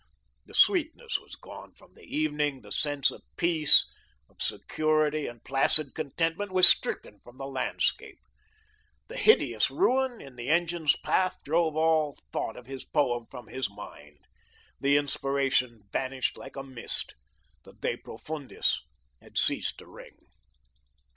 The sweetness was gone from the evening, the sense of peace, of security, and placid contentment was stricken from the landscape. The hideous ruin in the engine's path drove all thought of his poem from his mind. The inspiration vanished like a mist. The de Profundis had ceased to ring.